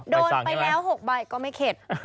โดนไปแล้ว๖ใบก็ไม่เข็ด